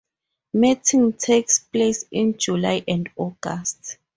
Mating takes place in July and August.